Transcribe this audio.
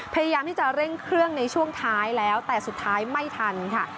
พยายามที่จะเร่งเครื่องในช่วงท้ายแล้วแต่สุดท้ายไม่ทันค่ะ